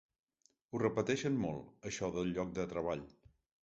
Ho repeteixen molt, això del lloc de treball.